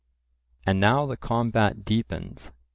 And now the combat deepens.